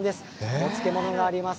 お漬物があります。